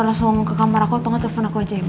langsung ke kamar aku atau ngetelpon aku aja yang mulia